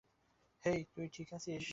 হেই, তুই ঠিক আছিস?